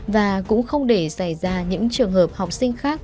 và cũng không để xảy ra những trường hợp học sinh khác